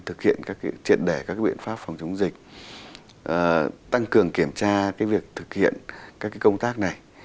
chuyển đẻ các biện pháp phòng chống dịch tăng cường kiểm tra việc thực hiện các công tác này